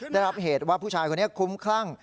ได้รับเหตุว่าผู้ชายคนนี้คุ้มคลั่ง